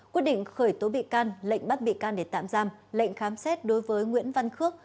quyết định khởi tố bị can lệnh bắt bị can để tạm giam lệnh khám xét đối với nguyễn văn khước